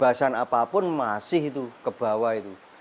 dalam kebebasan apapun masih itu kebawah itu